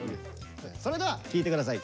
それでは聴いてください。